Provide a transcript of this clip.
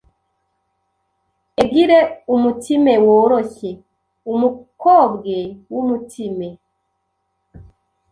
egire umutime woroshye, umukobwe w’umutime,